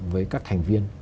với các thành viên